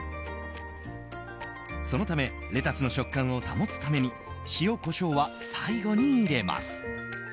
そのためレタスの食感を保つために塩、コショウは最後に入れます。